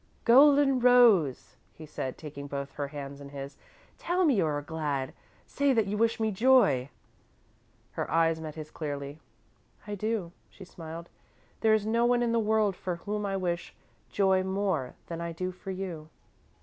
"Golden Rose," he said, taking both her hands in his, "tell me you are glad say that you wish me joy." Her eyes met his clearly. "I do," she smiled. "There is no one in the world for whom I wish joy more than I do for you."